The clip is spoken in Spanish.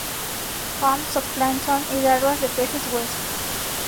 Come zooplancton y larvas de peces hueso.